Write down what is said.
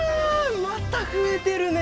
また増えてるね！